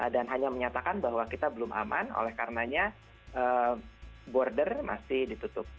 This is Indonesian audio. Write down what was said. dan hanya menyatakan bahwa kita belum aman oleh karenanya border masih ditutup